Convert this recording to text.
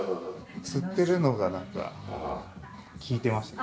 吊ってるのがなんか効いてましたよ